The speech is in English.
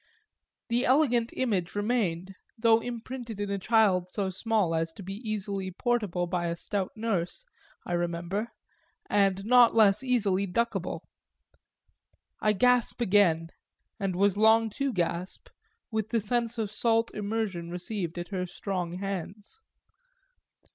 The elegant image remained, though imprinted in a child so small as to be easily portable by a stout nurse, I remember, and not less easily duckable; I gasp again, and was long to gasp, with the sense of salt immersion received at her strong hands.